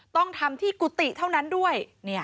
ต้องทำที่กุฏิเท่านั้นด้วย